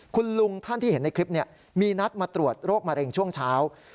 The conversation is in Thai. คุณลุงท่านที่เห็นในคลิปมีนัดมาตรวจโรคมะเร็งช่วงเช้า